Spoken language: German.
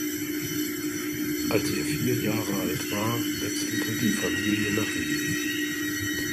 Als er vier Jahre alt war, wechselte die Familie nach Wien.